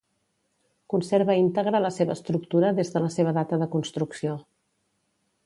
Conserva íntegra la seva estructura des de la seva data de construcció.